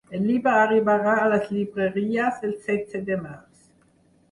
El llibre arribarà a les llibreries el setze de març.